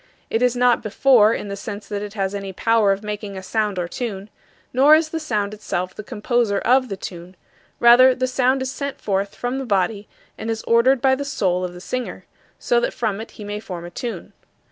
It is not "before" in the sense that it has any power of making a sound or tune. Nor is the sound itself the composer of the tune; rather, the sound is sent forth from the body and is ordered by the soul of the singer, so that from it he may form a tune.